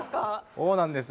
そうなんです。